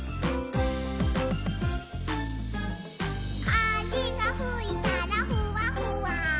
「かぜがふいたらふわふわ」